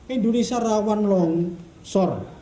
indonesia rawan longsor